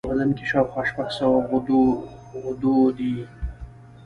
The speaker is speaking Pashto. په بدن کې شاوخوا شپږ سوه غدودي دي.